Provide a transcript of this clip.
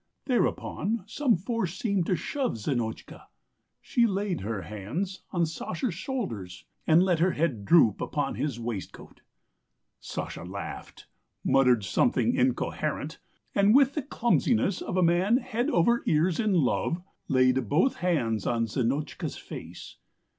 Thereupon some force seemed to shove Zinotchka; she laid her hands on Sasha's shoulders and let her head droop upon his waistcoat. Sasha laughed, muttered something incoherent, and with the clumsiness of a man head over ears in love, laid both hands on Zinotchka's face.